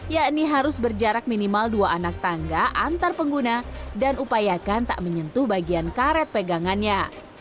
yakni harus berjarak minimal dua anak tangga antar pengguna dan upayakan tak menyentuh bagian karet pegangannya